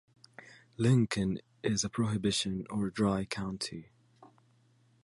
Lincoln is a prohibition or dry county.